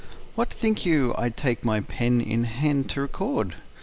WHAT think you I take my pen in hand to record?